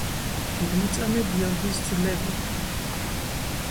დიდმოწამე გიორგის ძვლები.